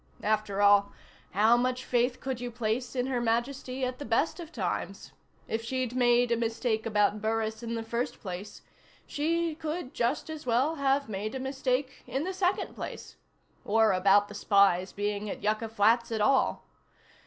After all, how much faith could you place in Her Majesty at the best of times? If she'd made a mistake about Burris in the first place, she could just as well have made a mistake in the second place. Or about the spy's being at Yucca Flats at all.